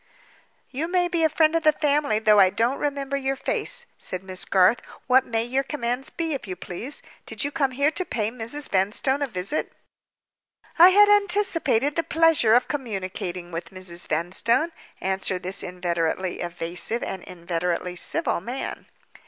"You may be a friend of the family, though I don't remember your face," said Miss Garth. "What may your commands be, if you please? Did you come here to pay Mrs. Vanstone a visit?" "I had anticipated the pleasure of communicating with Mrs. Vanstone," answered this inveterately evasive and inveterately civil man.